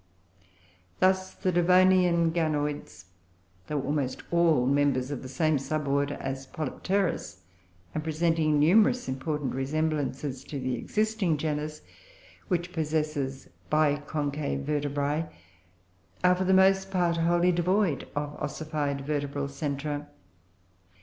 Thus the Devonian Ganoids, though almost all members of the same sub order as Polypterus, and presenting numerous important resemblances to the existing genus, which possesses biconclave vertebrae, are, for the most part, wholly devoid of ossified vertebral centra.